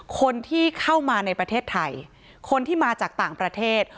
คนที่เข้ามาในประเทศไทยคนที่มาจากต่างประเทศ